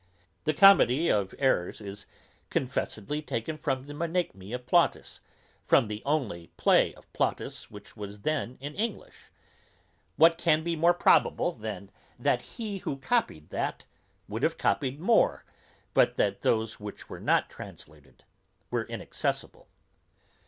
The Comedy of Errors is confessedly taken from the Menæchmi of Plautus; from the only play of Plautus which was then in English. What can be more probable, than that he who copied that, would have copied more; but that those which were not translated were inaccessible?